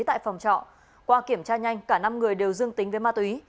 tại phòng trọ qua kiểm tra nhanh cả năm người đều dương tính với ma túy